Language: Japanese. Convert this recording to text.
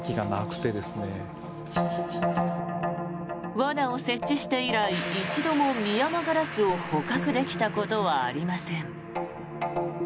罠を設置して以来一度もミヤマガラスを捕獲できたことはありません。